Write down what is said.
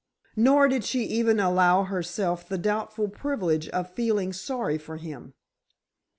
Nor did she even allow herself the doubtful privilege of feeling sorry for him.